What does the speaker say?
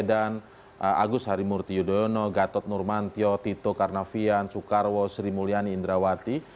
dan agus harimurti yudhoyono gatot nurmantio tito karnavian sukarwo sri mulyani indrawati